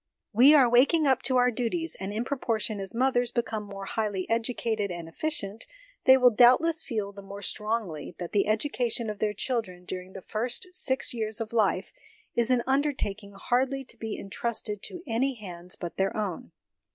We are waking up to pur duties, and in propor tion as mothers become more highly educated and efficient, they will doubtless feel the more strongly that the education of their children during the first six years of life is an undertaking hardly to be entrusted to any hands but their own.